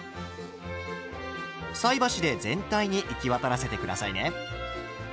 菜箸で全体に行き渡らせて下さいね。